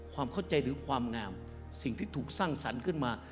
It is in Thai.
ความเข้าใจหรือความงามสิ่งที่ถูกสร้างสรรค์ขึ้นมา